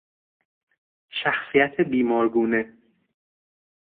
شخصیت بیمارگونه